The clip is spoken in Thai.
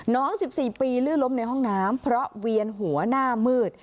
น้อง๑๔ปีลื่นล้มในห้องน้ำเพราะเวียนหัวหน้ามืด